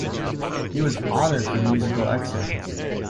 He was honoured for musical excellence.